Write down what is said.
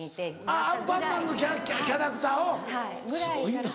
あぁ『アンパンマン』のキャラクターすごいな。